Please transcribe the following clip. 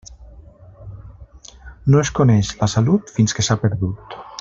No es coneix la salut fins que s'ha perdut.